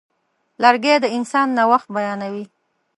لرګی د انسان نوښت بیانوي.